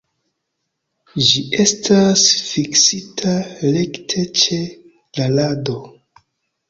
Ĝi estas fiksita rekte ĉe la rado.